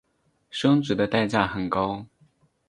生殖的代价很高。